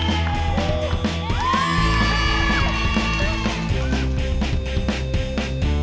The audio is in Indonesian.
ya ada yang sakit hati nih